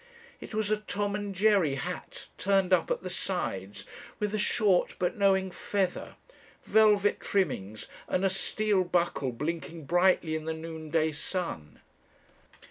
It was a Tom and Jerry hat turned up at the sides, with a short but knowing feather, velvet trimmings, and a steel buckle blinking brightly in the noonday sun.